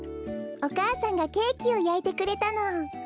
お母さんがケーキをやいてくれたの。